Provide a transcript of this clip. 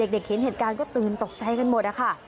เห็นเหตุการณ์ก็ตื่นตกใจกันหมดนะคะ